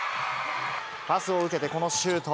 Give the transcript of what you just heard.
パスを受けて、このシュート。